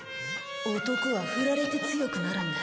男は振られて強くなるんだ。